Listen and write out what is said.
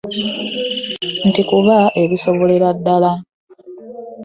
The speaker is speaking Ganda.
Nti kuba abisobolera ddala.